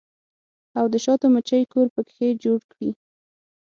او د شاتو مچۍ کور پکښې جوړ کړي